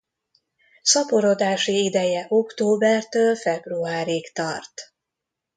Szaporodási ideje októbertől februárig tart.